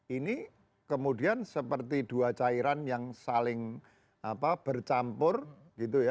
ini kemudian seperti dua cairan yang saling bercampur gitu ya